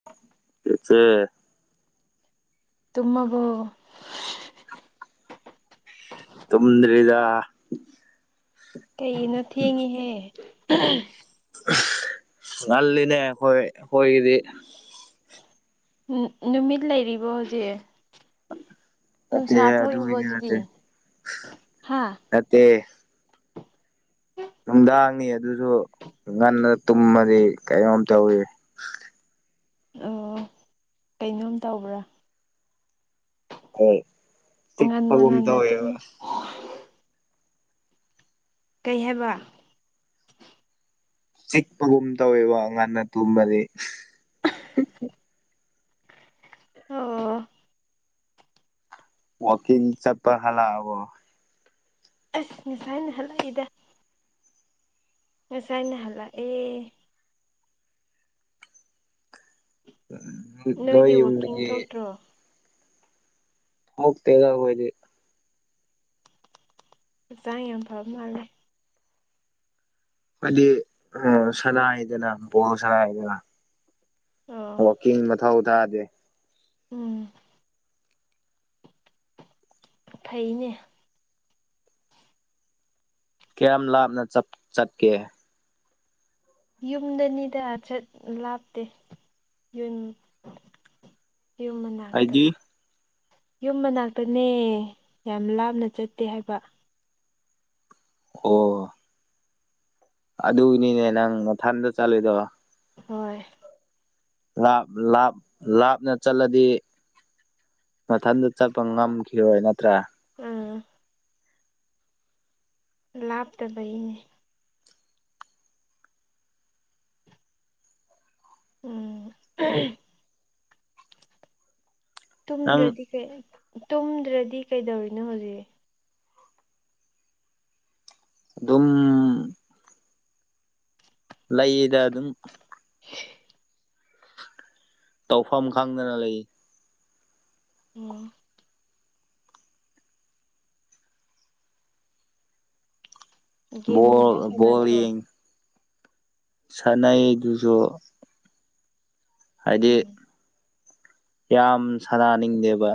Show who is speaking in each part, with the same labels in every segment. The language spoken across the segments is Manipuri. Speaker 1: [inaudible]
Speaker 2: [unintelligible]
Speaker 1: ꯇꯨꯝꯃꯕꯨ
Speaker 2: ꯇꯣꯗ꯭ꯔꯗ
Speaker 1: ꯀꯩꯅꯣ ꯊꯦꯡꯉꯍꯦ
Speaker 2: ꯑꯜꯅꯦ ꯍꯣꯏ ꯍꯣꯏꯒꯔꯤ
Speaker 1: ꯅꯨꯃꯤꯠ ꯂꯩꯔꯤꯕꯣ ꯍꯧꯖꯤꯛ
Speaker 2: ꯅꯠꯇꯦ
Speaker 1: ꯅꯨꯡꯁꯥ ꯊꯣꯛꯏꯕꯣ
Speaker 2: ꯑꯗꯨꯒꯤꯗꯤ
Speaker 1: ꯑꯗꯨꯗꯤ ꯍꯥ
Speaker 2: ꯅ [unintelligible] [inaudible] ꯅꯨꯡꯗꯥꯡꯅꯤ ꯑꯗꯨꯁꯨ ꯉꯟꯅ ꯇꯨꯝꯃꯗꯤ ꯀꯩꯅꯣꯝ ꯇꯧꯋꯤ
Speaker 1: ꯑꯣ ꯀꯩꯅꯣꯝ ꯇꯧꯕ꯭ꯔꯥ
Speaker 2: ꯍ
Speaker 1: ꯉꯟꯅ
Speaker 2: ꯁꯤꯤꯄ ꯨꯨꯝꯗ
Speaker 1: ꯉꯟꯅ
Speaker 2: ꯑꯣꯏ [inaudible]
Speaker 1: ꯇꯨꯝꯃꯣ
Speaker 2: [unintelligible]
Speaker 1: ꯀꯩ ꯍꯥꯏꯕ
Speaker 2: ꯆꯤꯛꯄꯒꯨꯝ ꯇꯧꯋꯦꯕ ꯉꯟꯅ ꯇꯨꯝꯕꯗꯤ
Speaker 1: ꯑꯣ [unintelligible] [inaudible]
Speaker 2: ꯋꯥꯀꯤꯡ ꯆꯠꯄ ꯍꯥꯂ ꯑꯕꯣ
Speaker 1: ꯑꯁ ꯉꯁꯥꯏꯅ ꯍꯜꯂꯛꯏꯗ ꯑꯁꯥꯏꯅꯍꯜꯂ ꯑꯦ [inaudible]
Speaker 2: ꯎ
Speaker 1: ꯅꯣꯏꯗꯤ
Speaker 2: ꯅꯣꯏꯣꯌ
Speaker 1: ꯋꯥꯛꯀꯤꯡ
Speaker 2: ꯎꯗꯒꯤ [inaudible]
Speaker 1: ꯊꯣꯛꯇ꯭ꯔꯣ
Speaker 2: ꯍ ꯇꯦꯒ ꯃꯣꯏꯗꯤ
Speaker 1: ꯍꯛꯆꯥꯡ ꯌꯥꯝ ꯐꯕ ꯃꯥꯜꯂꯦ
Speaker 2: ꯍꯥꯏꯗꯤ ꯁꯅꯥꯗꯅ ꯕꯣꯣꯔ ꯁꯅꯥ ꯍꯥꯏꯗꯅ
Speaker 1: ꯑꯣ
Speaker 2: ꯋꯥꯀꯤꯡ ꯃ ꯊꯥꯎ ꯑꯣ ꯊꯥꯗꯦ
Speaker 1: ꯎꯝ [unintelligible] [inaudible] ꯐꯩꯅꯦ
Speaker 2: ꯀꯌꯥꯝ ꯂꯥꯞꯅ ꯆꯠꯀꯦ
Speaker 1: ꯌꯨꯝꯗꯅꯤꯗꯠ ꯂꯥꯞꯇꯦ ꯌꯟ ꯏꯨꯝ ꯃꯅꯥ
Speaker 2: ꯍꯥꯏꯗꯤ
Speaker 1: [inaudible] ꯌꯨꯝ ꯃꯅꯥꯛꯇꯅꯦ ꯌꯥꯝ ꯂꯥꯞꯅ ꯆꯠꯇꯦ ꯍꯥꯏꯕ
Speaker 2: ꯑꯣ [unintelligible] [inaudible] ꯑꯗꯨꯒꯤꯅꯤꯅꯦ ꯅꯪ ꯃꯊꯟꯗ ꯆꯠꯂꯨꯣꯏꯗꯕ
Speaker 1: ꯍꯣꯏ [unintelligible] [inaudible]
Speaker 2: ꯂꯥꯞ ꯂꯥꯞ ꯂꯥꯞꯅ ꯆꯠꯂꯗꯤ ꯃꯊꯟꯗ ꯆꯠꯄ ꯉꯝꯈꯤꯔꯣꯏ ꯅꯠꯇ꯭ꯔꯥ
Speaker 1: ꯎꯝ [unintelligible] [inaudible] ꯂꯥꯞꯇꯕ ꯏꯅꯤ ꯎꯝ
Speaker 2: ꯅꯪ
Speaker 1: ꯇꯨꯝꯗ꯭ꯔꯗꯤ ꯀꯩ ꯇꯨꯝꯗ꯭ꯔꯗꯤ ꯀꯩꯗꯧꯔꯤꯅꯣ ꯍꯧꯖꯤꯛ
Speaker 2: ꯑꯗꯨꯝ ꯂꯩꯌꯦꯗ ꯑꯗꯨꯝ
Speaker 1: ꯍ [unintelligible] [inaudible]
Speaker 2: ꯇꯧꯐꯝ ꯈꯪꯗꯅ ꯂꯩ
Speaker 1: ꯑꯣꯝ
Speaker 2: ꯕꯣꯜ
Speaker 1: ꯒꯦꯝꯒꯨꯝꯕ
Speaker 2: ꯕꯣꯜ
Speaker 1: ꯁꯥꯟꯅꯗ꯭ꯔꯣ
Speaker 2: ꯌꯦꯡ ꯁꯥꯟꯅꯌꯦ ꯑꯗꯨꯁꯨ ꯍꯥꯏꯗꯤ
Speaker 1: ꯎꯝ
Speaker 2: ꯌꯥꯝ ꯁꯥꯟꯅꯥꯅꯤꯡꯗꯦꯕ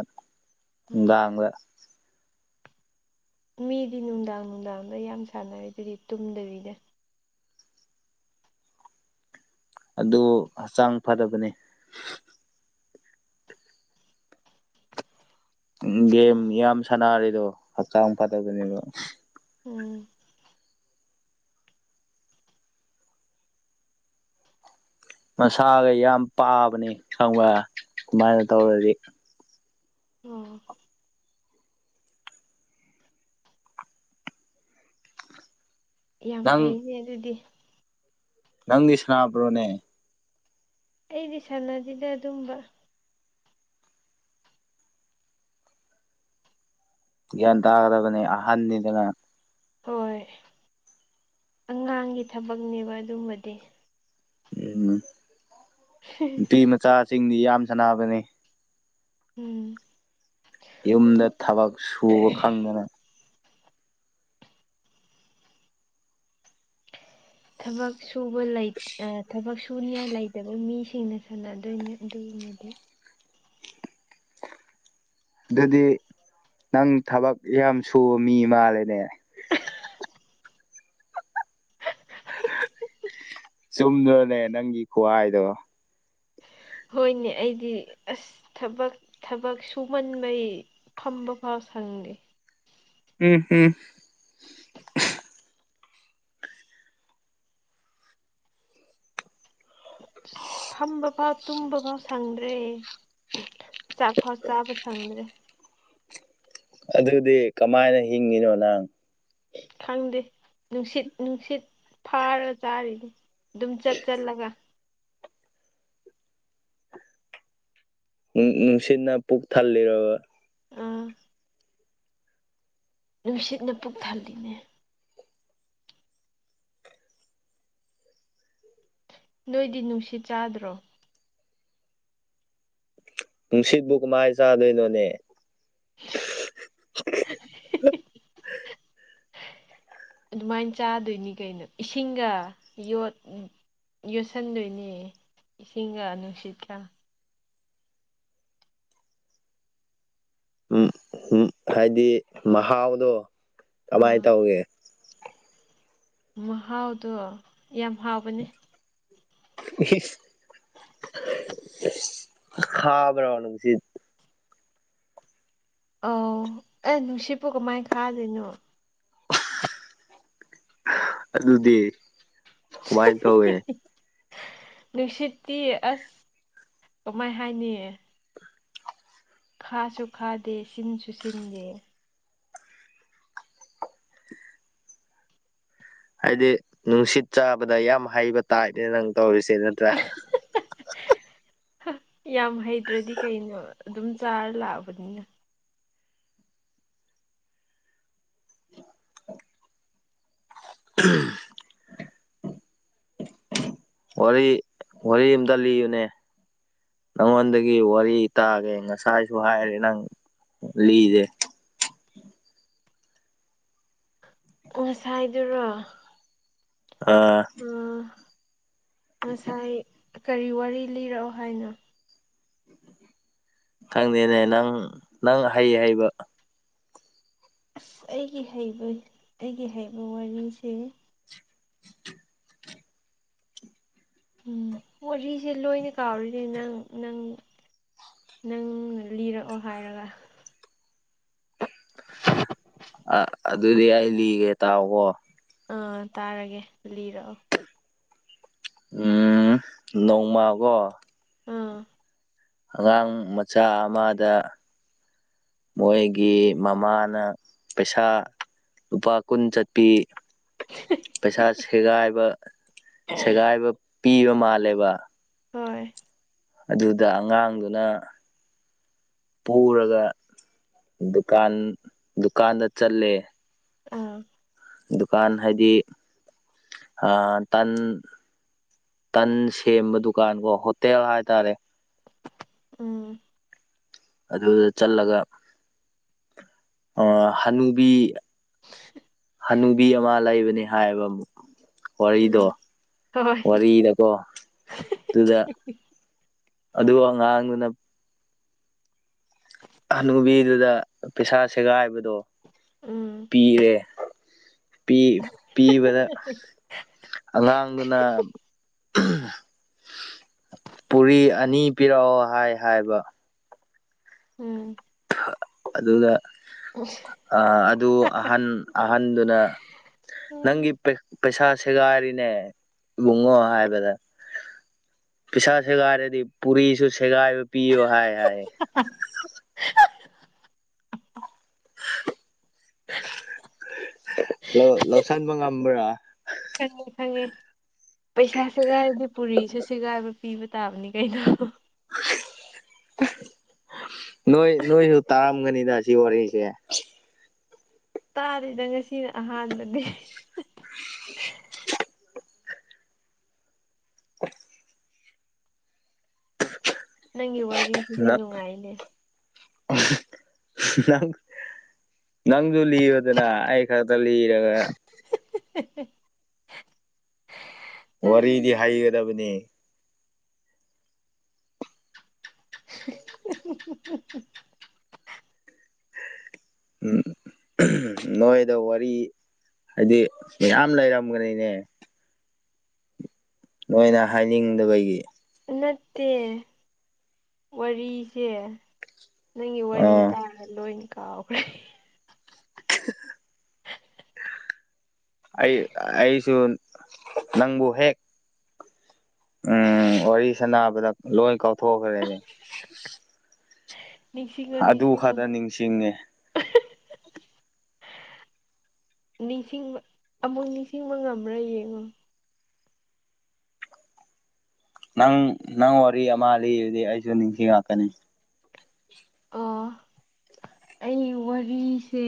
Speaker 1: ꯎꯝ
Speaker 2: ꯅꯨꯡꯗꯥꯡꯗꯥ
Speaker 1: ꯃꯤꯗꯤ ꯅꯨꯡꯗꯥꯡ ꯅꯨꯡꯗꯥꯡꯗ ꯌꯥꯝ ꯁꯥꯟꯅꯔꯦ ꯑꯗꯨꯗꯤ ꯇꯨꯝꯗꯕꯤꯅꯦ
Speaker 2: ꯑꯗꯨ ꯍꯛꯆꯥꯡ ꯐꯗꯕꯅꯤ ꯎ ꯒꯦꯝ
Speaker 1: ꯎꯝ
Speaker 2: ꯌꯥꯝ ꯁꯥꯟꯅꯔꯦꯗꯣ ꯍꯛꯆꯥꯡ ꯐꯠꯇꯕꯅꯦꯕ
Speaker 1: ꯎꯝ
Speaker 2: ꯃꯁꯥꯒ ꯌꯥꯝ ꯄꯥꯕꯅꯤ ꯈꯪꯕ ꯗꯨꯝꯃꯥꯏꯅ ꯇꯧꯔꯗꯤ
Speaker 1: ꯑꯣ ꯌꯥꯝ
Speaker 2: ꯅꯪ
Speaker 1: ꯐꯩꯅꯦ ꯑꯗꯨꯗꯤ
Speaker 2: ꯅꯪꯗꯤ ꯁꯅꯥꯕ꯭ꯔꯣꯅꯦ?
Speaker 1: ꯑꯩꯗꯤ ꯁꯥꯟꯅꯗꯦꯗ ꯑꯗꯨꯝꯕ꯫
Speaker 2: ꯒ꯭ꯌꯥꯟ ꯇꯥꯒꯗꯕꯅꯦ ꯑꯍꯟꯅꯤꯗꯅ
Speaker 1: ꯍꯣꯏ ꯑꯉꯥꯡꯒꯤ ꯊꯕꯛꯅꯦꯕ ꯑꯗꯨꯝꯕꯗꯤ꯫
Speaker 2: ꯎꯝ ꯅꯨꯄꯤ ꯃꯆꯥꯁꯤꯡꯗꯤ ꯌꯥꯝ ꯁꯅꯕꯅꯦ꯫
Speaker 1: ꯎꯝ
Speaker 2: ꯌꯨꯝꯗ ꯊꯕꯛ ꯁꯨꯕ ꯈꯪꯗꯅ
Speaker 1: ꯊꯕꯛ ꯁꯨꯕ ꯂꯩ ꯑ ꯊꯕꯛ ꯁꯨꯅꯤꯉꯥꯏ ꯂꯩꯇꯕ ꯃꯤꯁꯤꯡꯅ ꯁꯥꯟꯅꯗꯣꯏꯅꯦ ꯑꯗꯨꯨꯝꯕꯗꯤ꯫
Speaker 2: ꯑꯗꯨꯗꯤ ꯅꯪ ꯊꯕꯛ ꯌꯥꯝ ꯁꯨꯕ ꯃꯤ ꯃꯥꯜꯂꯦꯅꯦ꯫ ꯆꯨꯝꯗ꯭ꯔꯣꯅꯦ ꯅꯪꯒꯤ ꯈꯨꯋꯥꯏꯗꯣ?
Speaker 1: ꯍꯣꯏꯅꯦ ꯑꯩꯗꯤ ꯑꯁ ꯊꯕꯛ ꯊꯕꯛ ꯁꯨꯃꯟꯕꯩ ꯐꯝꯕ ꯐꯥꯎ ꯁꯪꯗꯦ꯫
Speaker 2: [unintelligible]
Speaker 1: ꯐꯝꯕ ꯐꯥꯎ ꯇꯨꯝꯕ ꯐꯥꯎ ꯁꯪꯗ꯭ꯔꯦ꯫ ꯆꯥꯛ ꯐꯥꯎ ꯆꯥꯕꯥ ꯁꯪꯗ꯭ꯔꯦ꯫
Speaker 2: ꯑꯗꯨꯗꯤ ꯀꯃꯥꯏꯅ ꯍꯤꯡꯉꯤꯅꯣ ꯅꯪ?
Speaker 1: ꯈꯪꯗꯦ ꯅꯨꯡꯁꯤꯠ ꯅꯨꯡꯁꯤꯠ ꯐꯥꯔ ꯆꯥꯔꯤꯅꯤ ꯑꯗꯨꯝ ꯆꯠ ꯆꯠꯂꯒ꯫
Speaker 2: ꯎꯝ ꯎꯝ ꯅꯨꯡꯁꯤꯠꯅ ꯄꯨꯛ ꯊꯜꯂꯤꯔꯕ?
Speaker 1: ꯑꯥ ꯅꯨꯡꯁꯤꯠꯅ ꯄꯨꯛ ꯊꯜꯂꯤꯅꯦ꯫ ꯅꯣꯏꯗꯤ ꯅꯨꯡꯁꯤꯠ ꯆꯥꯗ꯭ꯔꯣ?
Speaker 2: ꯅꯨꯡꯁꯤꯠꯕꯨ ꯀꯃꯥꯏ ꯆꯥꯗꯣꯏꯅꯣꯅꯦ?
Speaker 1: [unintelligible]
Speaker 2: [unintelligible]
Speaker 1: ꯑꯗꯨꯃꯥꯏ ꯆꯥꯗꯣꯏꯅꯤ ꯀꯩꯅꯣ ꯏꯁꯤꯡꯒ ꯌꯣꯠ ꯌꯣꯠꯁꯤꯟꯗꯣꯏꯅꯦ ꯏꯁꯤꯡꯒ ꯅꯨꯡꯁꯤꯠꯀ
Speaker 2: ꯎꯝ ꯎꯝ ꯍꯥꯏꯗꯤ ꯃꯍꯥꯎꯗꯣ ꯀꯃꯥꯏ
Speaker 1: ꯑꯥ
Speaker 2: ꯇꯧꯒꯦ?
Speaker 1: ꯃꯍꯥꯎꯗꯣ ꯌꯥꯝ ꯍꯥꯎꯕꯅꯦ꯫
Speaker 2: ꯏꯁ ꯈꯥꯕ꯭ꯔꯣ ꯅꯨꯡꯁꯤꯠ?
Speaker 1: ꯑꯧ ꯑꯦ ꯅꯨꯡꯁꯤꯠꯄꯨ ꯀꯃꯥꯏ ꯈꯥꯗꯣꯏꯅꯣ?
Speaker 2: ꯑꯗꯨꯗꯤ ꯀꯃꯥꯏ ꯇꯧꯒꯦ?
Speaker 1: ꯅꯨꯡꯁꯤꯠꯇꯤ ꯑꯁ ꯀꯃꯥꯏ ꯍꯥꯏꯅꯤ ꯈꯥꯁꯨ ꯈꯥꯗꯦ ꯁꯤꯟꯁꯨ ꯁꯤꯟꯗꯦ꯫
Speaker 2: ꯍꯥꯏꯗꯤ ꯅꯨꯡꯁꯤꯠ ꯆꯥꯕꯗ ꯌꯥꯝ ꯍꯩꯕ ꯇꯥꯏꯄꯅꯦ ꯅꯪ ꯇꯧꯔꯤꯁꯦ ꯅꯠꯇ꯭ꯔꯥ꯫
Speaker 1: ꯌꯥꯝ ꯍꯩꯇ꯭ꯔꯗꯤ ꯀꯩꯅꯣ ꯑꯗꯨꯝ ꯆꯥꯔ ꯂꯥꯛꯑꯕꯅꯤꯅ꯫
Speaker 2: [unintelligible] ꯋꯥꯔꯤ ꯋꯥꯔꯤ ꯑꯝꯇ ꯂꯤꯌꯨꯅꯦ꯫ ꯅꯪꯉꯣꯟꯗꯒꯤ ꯋꯥꯔꯤ ꯇꯥꯒꯦ ꯉꯁꯥꯏꯁꯨ ꯍꯥꯏꯔꯦ ꯅꯪ ꯂꯤꯗꯦ꯫
Speaker 1: ꯉꯁꯥꯏꯗꯨꯔꯣ
Speaker 2: ꯑꯥ
Speaker 1: ꯎꯝ ꯉꯁꯥꯏ ꯀꯔꯤ ꯋꯥꯔꯤ ꯂꯤꯔꯛꯑꯣ ꯍꯥꯏꯅꯣ?
Speaker 2: ꯈꯪꯗꯦꯅꯦ ꯅꯪ ꯅꯪ ꯑꯍꯩ ꯍꯩꯕ
Speaker 1: ꯑꯁ ꯑꯩꯒꯤ ꯍꯩꯕ ꯑꯩꯒꯤ ꯍꯩꯕ ꯋꯥꯔꯤꯁꯦ ꯎꯝ ꯋꯥꯔꯤꯁꯦ ꯂꯣꯏꯅ ꯀꯥꯎꯔꯤꯅꯦ ꯅꯪ ꯅꯪ ꯅꯪꯅ ꯂꯤꯔꯛꯑꯣ ꯍꯥꯏꯔꯒ [unintelligible]
Speaker 2: ꯑꯥ ꯑꯗꯨꯗꯤ ꯑꯩ ꯂꯤꯒꯦ ꯇꯥꯎꯀꯣ꯫
Speaker 1: ꯑꯥ ꯇꯥꯔꯒꯦ ꯂꯤꯔꯛꯑꯣ
Speaker 2: ꯎꯝ ꯅꯣꯡꯃꯥ ꯀꯣ
Speaker 1: ꯎꯝ
Speaker 2: ꯑꯉꯥꯡ ꯃꯆꯥ ꯑꯃꯥꯗ ꯃꯣꯏꯒꯤ ꯃꯃꯥꯅ ꯄꯩꯁꯥ ꯂꯨꯄꯥ ꯀꯨꯟ ꯆꯠꯄꯤ ꯄꯩꯁꯥ ꯁꯦꯒꯥꯏꯕ ꯁꯦꯒꯥꯏꯕ ꯄꯤꯕ ꯃꯥꯜꯂꯦꯕ
Speaker 1: ꯍꯣꯏ
Speaker 2: ꯑꯗꯨꯗ ꯑꯉꯥꯡꯗꯨꯅ ꯄꯨꯔꯒ ꯗꯨꯀꯥꯟ ꯗꯨꯀꯥꯟꯗ ꯆꯠꯂꯦ
Speaker 1: ꯎꯝ
Speaker 2: ꯗꯨꯀꯥꯟ ꯍꯥꯏꯗꯤ ꯇꯥꯟ ꯇꯟ ꯁꯦꯝꯕ ꯗꯨꯀꯥꯟ ꯀꯣ ꯍꯣꯇꯦꯜ ꯍꯥꯏꯇꯥꯔꯦ
Speaker 1: ꯎꯝ
Speaker 2: ꯑꯗꯨꯗ ꯆꯠꯂꯒ ꯑꯥ ꯍꯅꯨꯕꯤ ꯍꯅꯨꯕꯤ ꯑꯃꯥ ꯂꯩꯕꯅꯦ ꯍꯥꯏꯌꯦꯕ ꯋꯥꯔꯤꯗꯣ
Speaker 1: ꯎꯝ ꯍꯣꯏ
Speaker 2: ꯋꯥꯔꯤꯗꯀꯣ ꯑꯗꯨꯗ ꯑꯗꯨ ꯑꯉꯥꯡꯗꯨꯅ ꯍꯥꯅꯨꯕꯤꯗꯨꯗ ꯄꯩꯁꯥ ꯁꯦꯒꯥꯏꯕꯗꯣ
Speaker 1: ꯎꯝ
Speaker 2: ꯄꯤꯔꯦ ꯄꯤ ꯄꯤꯕꯗꯥ ꯑꯉꯥꯡꯗꯨꯅ [unintelligible] ꯄꯨꯔꯤ ꯑꯥꯅꯤ ꯄꯤꯔꯛꯑꯣ ꯍꯥꯏ ꯍꯥꯏꯕ
Speaker 1: ꯎꯝ
Speaker 2: ꯑꯗꯨꯒ ꯑꯗꯨ ꯑꯥꯍꯟ ꯑꯥꯍꯟꯗꯨꯅ ꯅꯪꯒꯤ
Speaker 1: ꯎꯝ
Speaker 2: ꯄꯩꯁꯥ ꯁꯦꯒꯥꯏꯔꯤꯅꯦ ꯏꯕꯨꯡꯉꯣ ꯍꯥꯏꯕꯗ ꯄꯩꯁꯥ ꯁꯦꯒꯥꯏꯔꯗꯤ ꯄꯨꯔꯤꯁꯨ ꯁꯦꯒꯥꯏꯕ ꯄꯤꯌꯣ ꯍꯥꯏ ꯍꯥꯏ
Speaker 1: [unintelligible]
Speaker 2: [unintelligible] ꯂꯧꯁꯟꯕ ꯉꯝꯕ꯭ꯔꯥ
Speaker 1: ꯈꯪꯉꯦ ꯈꯪꯉꯦ ꯄꯩꯁꯥ ꯁꯦꯒꯥꯏꯔꯗꯤ ꯄꯨꯔꯤꯁꯨ ꯁꯦꯒꯥꯏꯕ ꯄꯤꯕ ꯇꯥꯕꯅꯤ ꯀꯩꯅꯣ
Speaker 2: ꯅꯣꯏ ꯅꯣꯏꯁꯨ ꯇꯥꯔꯝꯒꯅꯤꯗ ꯁꯤ ꯋꯥꯔꯤꯁꯦ
Speaker 1: ꯇꯥꯗꯦꯗꯥ ꯉꯁꯤꯅ ꯑꯍꯥꯟꯕꯅꯦ
Speaker 2: [unintelligible] [unintelligible]
Speaker 1: ꯅꯪꯒꯤ ꯋꯥꯔꯤꯁꯤꯗꯤ ꯅꯨꯡꯉꯥꯏꯅꯦ
Speaker 2: [unintelligible] ꯅꯪꯁꯨ ꯂꯤꯌꯨꯗꯅ ꯑꯩ ꯈꯛꯇꯥ ꯂꯤꯔꯒ
Speaker 1: [unintelligible]
Speaker 2: ꯋꯥꯔꯤꯗꯤ ꯍꯥꯏꯩꯒꯗꯕꯅꯤ
Speaker 1: [unintelligible]
Speaker 2: [unintelligible] ꯎꯝ ꯅꯣꯏꯗꯥ ꯋꯥꯔꯤ ꯍꯥꯏꯗꯤ ꯃꯌꯥꯝ ꯂꯩꯔꯝꯒꯅꯤꯅꯦ ꯅꯣꯏꯅ ꯍꯥꯏꯅꯤꯡꯗꯕꯒꯤ
Speaker 1: ꯅꯠꯇꯦ ꯋꯥꯔꯤꯁꯦ ꯅꯪꯒꯤ ꯋꯥꯔꯤ
Speaker 2: ꯑꯣ
Speaker 1: ꯇꯥꯔꯒ ꯂꯣꯏꯅ ꯀꯥꯎꯈ꯭ꯔꯦ
Speaker 2: ꯑꯩ ꯑꯩꯁꯨ ꯅꯪꯕꯨ ꯍꯦꯛ ꯎꯝ ꯋꯥꯔꯤ ꯁꯅꯕꯗ ꯂꯣꯏ ꯀꯥꯎꯊꯣꯛꯈ꯭ꯔꯦꯅꯦ
Speaker 1: ꯅꯤꯡꯁꯤꯡꯉꯣ
Speaker 2: ꯑꯗꯨ
Speaker 1: ꯅꯤꯡꯁꯤꯡꯉꯣ
Speaker 2: ꯈꯔꯇꯥ ꯅꯤꯡꯁꯤꯡꯉꯦ
Speaker 1: ꯅꯤꯡꯁꯤꯡꯕ ꯑꯃꯨꯛ ꯅꯤꯡꯁꯤꯡꯕ ꯉꯝꯕ꯭ꯔꯥ ꯌꯦꯡꯉꯣ
Speaker 2: ꯅꯪ ꯅꯪ ꯋꯥꯔꯤ ꯑꯃ ꯂꯤ ꯑꯗꯨꯗꯤ ꯑꯩꯁꯨ ꯅꯤꯡꯁꯤꯡꯉꯥꯛꯀꯅꯤ
Speaker 1: ꯑꯣ ꯑꯩ ꯋꯥꯔꯤꯁꯦ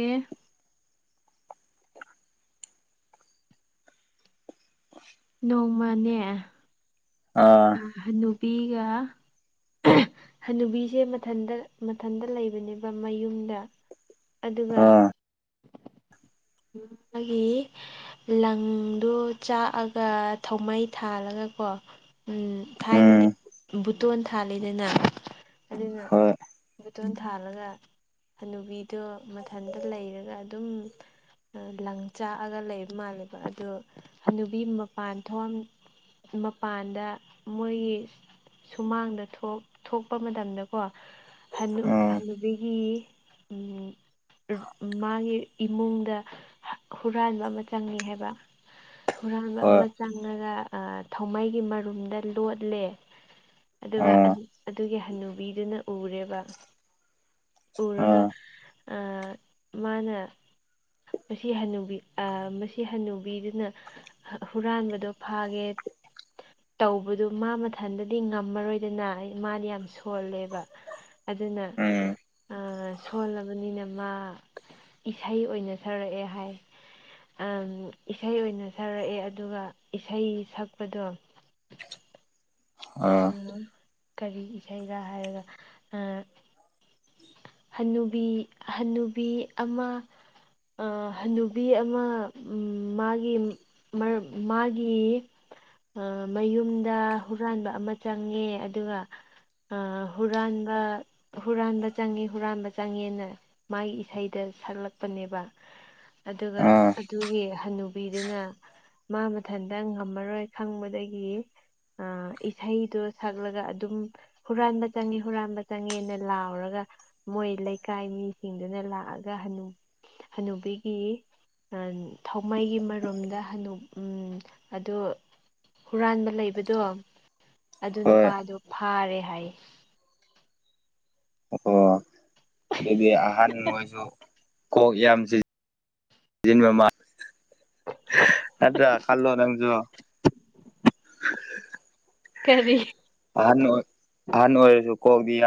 Speaker 1: ꯅꯣꯡꯃꯅꯦ
Speaker 2: ꯑ
Speaker 1: ꯑ ꯅꯨꯕꯤꯒ ꯍꯅꯨꯕꯤꯁꯦ ꯃꯊꯟꯗ ꯃꯊꯟꯗ ꯂꯩꯕꯅꯦꯕ ꯃꯌꯨꯝꯗ ꯑꯗꯨꯒ
Speaker 2: ꯑꯥ [inaudible]
Speaker 1: ꯎꯝ ꯃꯥꯒꯤ ꯂꯪꯗꯨ ꯆꯥꯛꯑꯒ ꯊꯧꯃꯩ ꯊꯥꯜꯂꯒ ꯀꯣ ꯎꯝ
Speaker 2: ꯎꯝ
Speaker 1: ꯊꯥꯏꯅꯗꯤ ꯕꯨꯇꯣꯟ ꯊꯥꯜꯂꯤꯗꯅ ꯑꯗꯨꯅ
Speaker 2: ꯍꯣꯏ
Speaker 1: ꯕꯨꯇꯣꯟ ꯊꯥꯜꯂꯒ ꯍꯅꯨꯕꯤꯗꯣ ꯃꯊꯟꯇ ꯂꯩꯔꯒ ꯑꯗꯨꯝ ꯂꯪ ꯆꯥꯛꯑꯒ ꯂꯩꯕ ꯃꯥꯜꯂꯦꯕ ꯑꯗꯣ ꯍꯅꯨꯕꯤ ꯃꯄꯥꯟ ꯊꯣꯝ ꯃꯄꯥꯟꯗ ꯃꯣꯏꯒꯤ ꯁꯨꯃꯥꯡꯗ ꯊꯣꯛ ꯊꯣꯛꯄ ꯃꯇꯝꯗꯀꯣ ꯍꯅꯨ
Speaker 2: ꯎꯝ
Speaker 1: ꯍꯟꯅꯨꯕꯤꯒꯤ ꯎꯝ ꯃꯥꯒꯤ ꯏꯃꯨꯡꯗ ꯍꯨꯔꯥꯟꯕ ꯑꯃ ꯆꯪꯏ ꯍꯥꯏꯕ ꯍꯨꯔꯥꯟꯕ
Speaker 2: ꯍꯣꯏ
Speaker 1: ꯑꯃ ꯆꯪꯉꯒ ꯊꯧꯃꯩꯒꯤ ꯃꯔꯨꯞ ꯔꯨꯝꯗ ꯂꯣꯠꯂꯦ ꯑꯗꯨꯒ
Speaker 2: ꯑꯥ
Speaker 1: ꯑꯗꯨꯒꯤ ꯍꯟꯅꯨꯕꯤꯗꯨꯅ ꯎꯔꯦꯕ
Speaker 2: ꯑꯥ
Speaker 1: ꯎꯔꯒ ꯑ ꯃꯥꯅ ꯃꯁꯤ ꯍꯟꯅꯨꯕꯤ ꯑ ꯃꯁꯤ ꯍꯟꯅꯨꯕꯤꯗꯨꯅ ꯍꯨꯔꯥꯟꯕꯗꯣ ꯐꯥꯒꯦ ꯇꯧꯕꯗꯨ ꯃꯥ ꯃꯊꯟꯗꯗꯤ ꯉꯝꯃꯔꯣꯏꯗꯅ ꯃꯥꯗꯤ ꯌꯥꯝ ꯁꯣꯜꯂꯦꯕ ꯑꯗꯨꯅ
Speaker 2: ꯎꯝ
Speaker 1: ꯑ ꯁꯣꯜꯂꯕꯅꯤꯅ ꯃꯥ ꯏꯁꯩ ꯑꯣꯏꯅ ꯁꯔꯛꯑꯦ ꯍꯥꯏ ꯑꯝ ꯏꯁꯩ ꯑꯣꯏꯅ ꯁꯛꯔꯛꯑꯦ ꯑꯗꯨꯒ ꯏꯁꯩ ꯁꯛꯄꯗꯣ ꯑ
Speaker 2: ꯑꯥ
Speaker 1: ꯀꯔꯤ ꯏꯁꯩꯔ ꯍꯥꯏꯔꯒ ꯑ ꯍꯟꯅꯨꯕꯤ ꯍꯟꯅꯨꯕꯤ ꯑꯃ ꯑ‌ ꯍꯟꯅꯨꯕꯤ ꯑꯃ ꯃꯥꯒꯤ ꯃꯥꯒꯤ ꯑ ꯃꯌꯨꯝꯗ ꯍꯨꯔꯥꯟꯕ ꯑꯃ ꯆꯪꯉꯦ ꯑꯗꯨꯒ ꯑ ꯍꯨꯔꯥꯟꯕ ꯍꯨꯔꯥꯟꯕ ꯆꯪꯉ ꯍꯨꯔꯥꯟꯕ ꯆꯪꯉꯦꯅ ꯃꯥꯒꯤ ꯏꯁꯩꯗ ꯁꯛꯂꯛꯄꯅꯦꯕ ꯑꯗꯨꯒ
Speaker 2: ꯑꯥ
Speaker 1: ꯑꯗꯨꯒꯤ ꯍꯟꯅꯨꯕꯤꯗꯨꯅ ꯃꯥ ꯃꯊꯟꯗ ꯉꯝꯃꯔꯣꯏ ꯈꯪꯕꯗꯒꯤ ꯑ ꯏꯁꯩꯗꯣ ꯁꯛꯂꯒ ꯑꯗꯨꯝ ꯍꯨꯔꯥꯟꯕ ꯆꯪꯉꯦ ꯍꯨꯔꯥꯟꯕ ꯆꯪꯉꯦꯅ ꯂꯥꯎꯔꯒ ꯃꯣꯏ ꯂꯩꯀꯥꯏ ꯃꯤꯁꯤꯡꯗꯨꯅ ꯂꯥꯛꯑꯒ ꯍ ꯍꯅꯨꯕꯤꯒꯤ ꯊꯧꯃꯩꯒꯤ ꯃꯔꯨꯝꯗ ꯍꯅꯨ ꯎꯝ ꯑꯗꯨ ꯍꯨꯔꯥꯟꯕ ꯂꯩꯕꯗꯣ ꯑꯗꯨ
Speaker 2: ꯍꯣꯏ
Speaker 1: ꯅꯨꯄꯥꯗꯣ ꯐꯥꯔꯦ ꯍꯥꯏꯌꯦ
Speaker 2: ꯑꯣ ꯗꯨꯗꯤ ꯑꯍꯥꯟ ꯑꯣꯏꯁꯨ ꯀꯣꯛ ꯌꯥꯝ ꯁꯤ ꯖꯤꯟꯕ ꯃꯥ
Speaker 1: [unintelligible]
Speaker 2: ꯍꯗ ꯈꯜꯂꯣ ꯅꯪꯖꯨ
Speaker 1: ꯀꯔꯤ
Speaker 2: ꯑꯍꯟ ꯑꯣꯏ ꯑꯍꯟ ꯑꯣꯏꯔꯁꯨ ꯀꯣꯛꯗꯤ ꯌꯥ